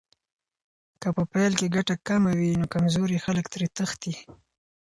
که په پیل کې ګټه کمه وي، نو کمزوري خلک ترې تښتي.